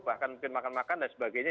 bahkan mungkin makan makan dan sebagainya